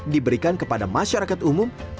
diberikan kepada masyarakat umumnya